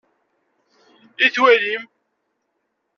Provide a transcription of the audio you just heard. I twalim?